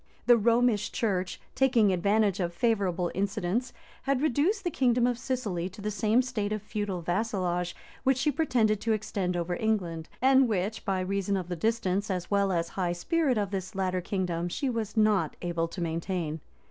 The Romish church, taking advantage of favorable incidents, had reduced the kingdom of Sicily to the same state of feudal vassalage which she pretended to extend over England; and which, by reason of the distance, as well as high spirit of this latter kingdom, she was not able to maintain.